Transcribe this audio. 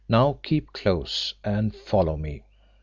Now keep close and follow me."